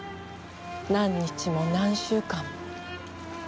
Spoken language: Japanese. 何日も何週間も。